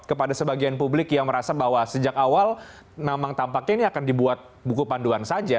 kepada sebagian publik yang merasa bahwa sejak awal memang tampaknya ini akan dibuat buku panduan saja